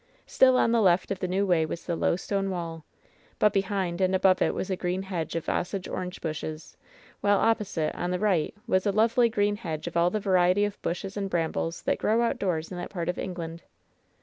Still on the left of the new way was the low stone wall, but behind and above it was a green hedge of Osage orange bushes, while opposite, on the right, was a lovely green hedge of all the variety of bushes and brambles that grow outdoors in that part of England.